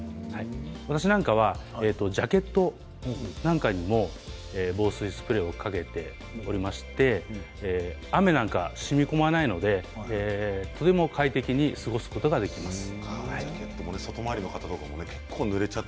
私なんかはジャケットなんかにも防水スプレーをかけておりまして雨なんか、しみこまないのでとても快適に過ごすことができます。